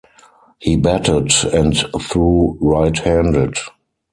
He batted and threw right-handed.